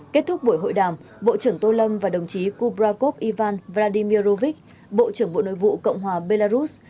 kết thúc buổi hội đàm bộ trưởng tô lâm và đồng chí kubrakov ivan vladimir rovich bộ trưởng bộ nội vụ cộng hòa belarus